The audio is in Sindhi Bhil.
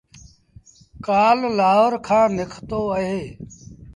ڪآل لآهور کآݩ نکتو اهي